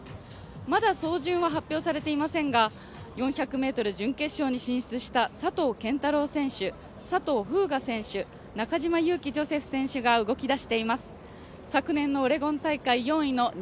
まだ走順は発表されていませんが、４００ｍ準決勝に進出した佐藤拳太郎選手、佐藤風雅選手、中島佑気ジョセフ選手ができたぁ。